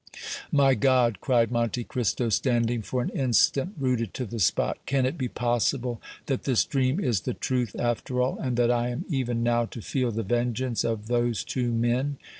"My God!" cried Monte Cristo, standing for an instant rooted to the spot, "can it be possible that this dream is the truth after all, and that I am even now to feel the vengeance of those two men?"